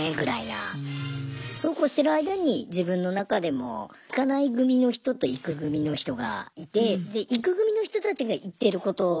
そうこうしてる間に自分の中でも行かない組の人と行く組の人がいて行く組の人たちが行ってることなんだな